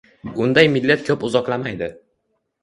Unday millat koʻp uzoqlamaydi